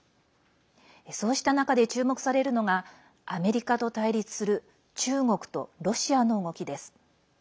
そうした中で注目されるのがアメリカと対立する中国とロシアの動きです。